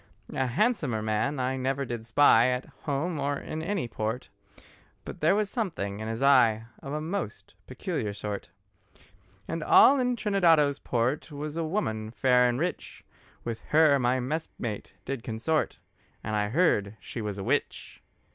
A handsomer man I never did spy, At home or in any port; But there was something in his eye Of a most peculiar sort. And all in Trinidado's port Was a woman fair and rich, With her my messmate did consort, And I heard she was a witch.